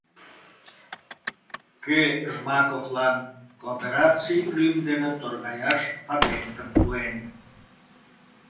Кӧ Жмаковлан коопераций лӱм дене торгаяш патентым пуэн?